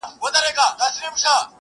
پاچا مخكي ورپسې سل نوكران وه٫